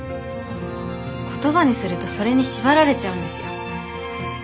言葉にするとそれに縛られちゃうんですよ。